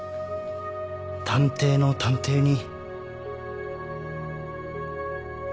探偵の探偵に。